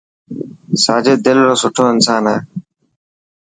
ساجد دل رو سٺو انسان هي.